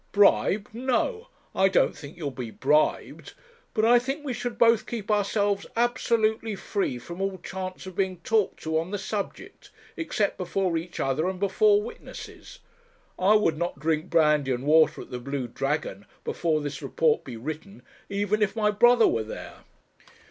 'Bribed! No, I don't think you'll be bribed; but I think we should both keep ourselves absolutely free from all chance of being talked to on the subject, except before each other and before witnesses. I would not drink brandy and water at the Blue Dragon, before this report be written, even if my brother were there.'